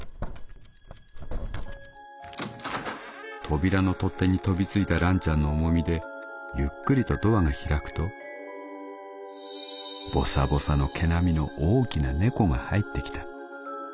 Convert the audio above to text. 「扉の取っ手に飛びついたらんちゃんの重みでゆっくりとドアが開くとボサボサの毛並みの大きな猫が入ってきた。